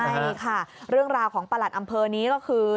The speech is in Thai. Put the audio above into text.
ใช่ค่ะเรื่องราวของประหลัดอำเภอนี้ก็คือ